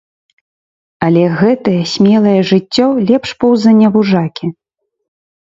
Але гэтае смелае жыццё лепш поўзання вужакі.